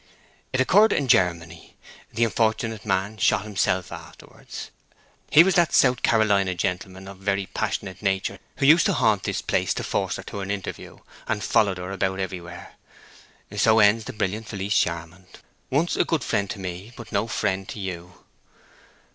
It occurred in Germany. The unfortunate man shot himself afterwards. He was that South Carolina gentleman of very passionate nature who used to haunt this place to force her to an interview, and followed her about everywhere. So ends the brilliant Felice Charmond—once a good friend to me—but no friend to you."